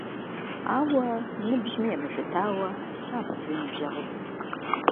Ауэ, ныбжьми емылъытауэ, сэ абы сриныбжьэгъуфӀт.